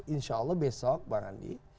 insya allah besok bang andi